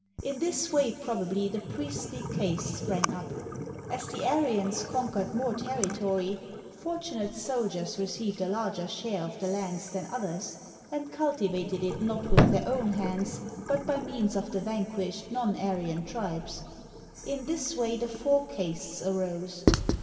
In this way probably the priestly caste sprang up. As the Aryans conquered more terri tory, fortunate soldiers received a larger share of the lands than others, and cultivated it not with their own hands, but by means of the vanquished non Aryan tribes. In this way the Four Castes arose.